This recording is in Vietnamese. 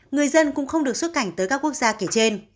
người dân cũng không được xuất cảnh tới các quốc gia kể trên